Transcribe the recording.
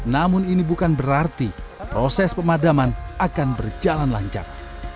namun ini bukan berarti proses pemadaman akan berjalan lancar